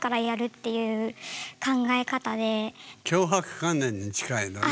強迫観念に近いのね。